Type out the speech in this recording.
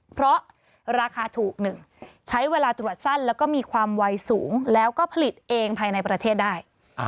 เพราะราคาถูกหนึ่งใช้เวลาตรวจสั้นแล้วก็มีความวัยสูงแล้วก็ผลิตเองภายในประเทศได้